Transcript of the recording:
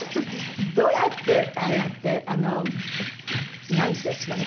どうやってああやってなんですかね